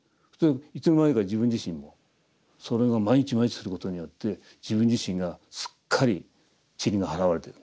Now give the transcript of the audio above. いつの間にか自分自身もそれが毎日毎日することによって自分自身がすっかり塵が払われているんですよ。